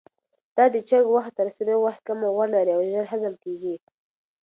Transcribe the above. دا د چرګ غوښه تر سرې غوښې کمه غوړ لري او ژر هضم کیږي.